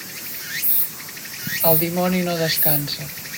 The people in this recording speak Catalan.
El dimoni no descansa.